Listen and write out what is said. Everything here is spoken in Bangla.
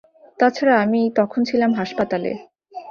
তা ছাড়া আমি তখন ছিলাম হাসপাতালে।